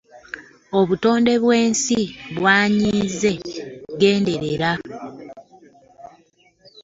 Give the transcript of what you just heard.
Obutonde bw'ensi bwanyiize genderera!